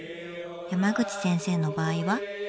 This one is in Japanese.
山口先生の場合は？